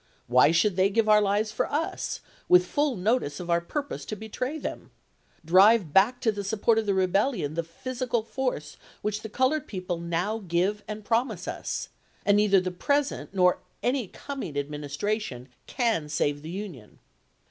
Why should they give their lives for us, with full notice of our purpose to betray them ? Drive back to the support of the Rebellion the physical force which the colored people now give and promise us, and neither the present, nor any coming administration, can save the Union.